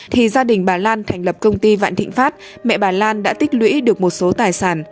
thì gia đình bà lan thành lập công ty vạn thịnh pháp mẹ bà lan đã tích lũy được một số tài sản